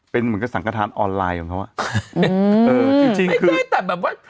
เป็นเหมือนกับสังกระทานออนไลน์ของเขาอ่ะอืมเออจริงจริงนี่คือแต่แบบว่า